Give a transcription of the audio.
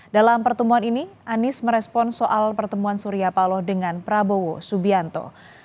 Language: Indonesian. dalam pertemuan ini anies merespon soal pertemuan surya paloh dengan prabowo subianto